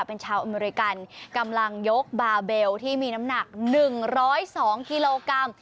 เป็นชาวอเมริกันกำลังยกบาเบลที่มีน้ำหนัก๑๐๒กิโลกรัม